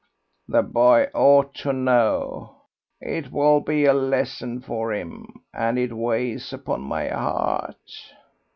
"The boy ought to know; it will be a lesson for him, and it weighs upon my heart."